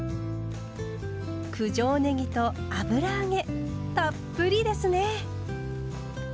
九条ねぎと油揚げたっぷりですね。